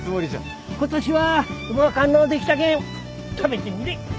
今年はうまかんのできたけん食べてみれ。